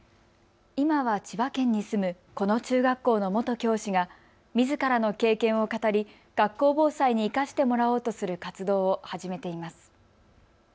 今は千葉県に住むこの中学校の元教師がみずからの経験を語り学校防災に生かしてもらおうとする活動を始めています。